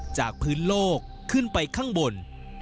จากพื้นโลกขึ้นไปข้างบน